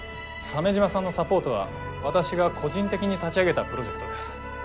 鮫島さんのサポートは私が個人的に立ち上げたプロジェクトです。